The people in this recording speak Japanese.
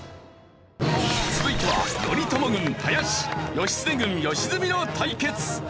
続いては頼朝軍林義経軍良純の対決！